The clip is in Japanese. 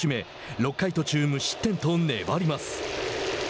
６回途中無失点と粘ります。